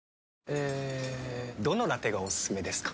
えどのラテがおすすめですか？